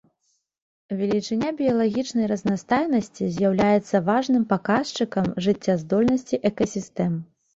Велічыня біялагічнай разнастайнасці з'яўляецца важным паказчыкам жыццяздольнасці экасістэм.